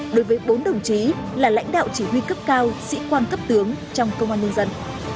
đối với bốn đồng chí là lãnh đạo chỉ huy cấp cao sĩ quan cấp tướng trong công an nhân dân